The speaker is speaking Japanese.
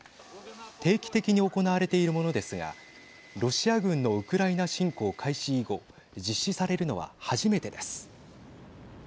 定期的に行われているものですがロシア軍のウクライナ侵攻開始以後実施されるのは初めてです。